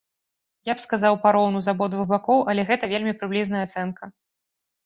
Я б сказаў, пароўну з абодвух бакоў, але гэта вельмі прыблізная ацэнка.